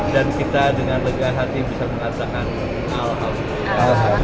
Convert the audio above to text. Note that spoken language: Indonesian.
dan kita dengan lega hati bisa mengatakan alhamdulillah